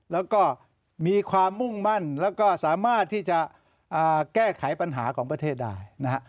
แล้วก็มีความมุ่งมั่นแล้วก็สามารถที่จะแก้ไขปัญหาของประเทศได้นะฮะ